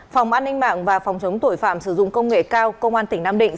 phòng an ninh mạng và phòng chống tội phạm sử dụng công nghệ cao công an tỉnh nam định